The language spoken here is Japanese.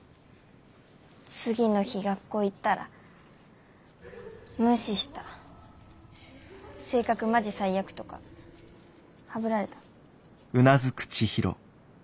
次の日学校行ったら「無視した」「性格マジ最悪」とかはぶられた？